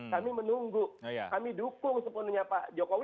kami menunggu kami dukung sepenuhnya pak jokowi